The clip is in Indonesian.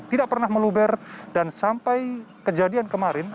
tidak pernah meluber dan sampai kejadian kemarin